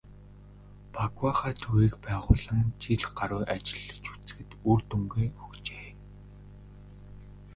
"Багваахай" төвийг байгуулан жил гаруй ажиллаж үзэхэд үр дүнгээ өгчээ.